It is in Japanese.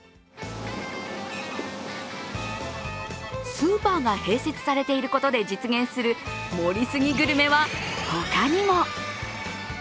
スーパーが併設されていることで実現する盛り過ぎグルメは他にも。